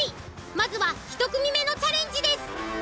まずは１組目のチャレンジです。